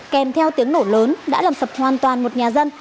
kèm theo tiếng nổ lớn đã làm sập hoàn toàn một nhà dân